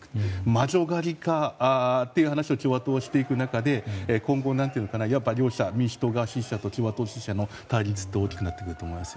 魔女狩りかっていう話を共和党がしていく中で今後、民主党支持者と共和党支持者の対立が大きくなると思います。